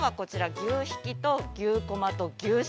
牛ひき肉と牛こまと牛脂。